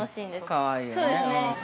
◆かわいいわね。